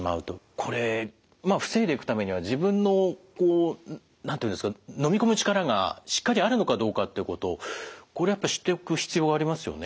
これまあ防いでいくためには自分のこう何て言うんですか飲み込む力がしっかりあるのかどうかっていうことこれをやっぱ知っておく必要がありますよね。